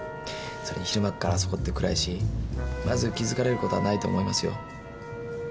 昼間からあそこって暗いしまず気づかれる事ないと思いますよ。